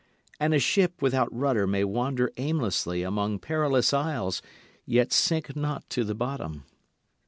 And a ship without rudder may wander aimlessly among perilous isles yet sink not to the bottom.